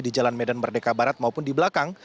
di jalan medan merdeka barat maupun di belakang